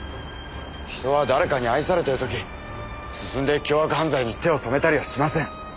人は誰かに愛されてる時進んで凶悪犯罪に手を染めたりはしません。